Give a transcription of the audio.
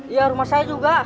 iya rumah saya juga